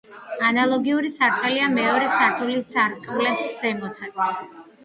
ანალოგიური სარტყელია მეორე სართულის სარკმლებს ზემოთაც.